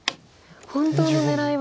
本当の狙いは。